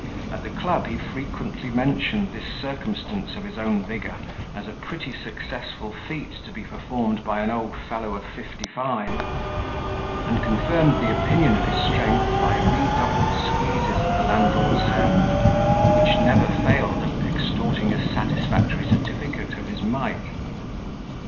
At the club he frequently mentioned this circumstance of his own vigour as a pretty successful feat to be performed by an old fellow of fifty five, and confirmed the opinion of his strength by redoubled squeezes of the landlord's hand, which never failed of extorting a satisfactory certificate of his might.